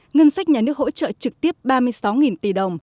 ngân sách nhà nước hỗ trợ trực tiếp ba mươi sáu tỷ đồng